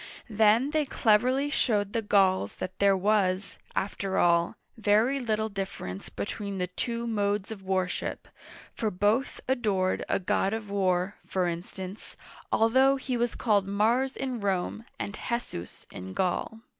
Then they cleverly showed the Gauls that there was, after all, very little difference between the two modes of worship, for both adored a god of war, for instance, although he was called Mars in Rome and He'sus in Gaul.